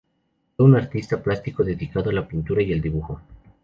Fue un artista plástico dedicado a la pintura y al dibujo.